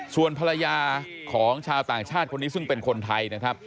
ส่วนภรรยาของชาวต่างชาติคนนี้ซึ่งเป็นคนไทยนะครับ